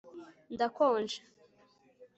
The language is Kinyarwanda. Ndakonje